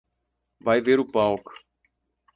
Vai ver o palco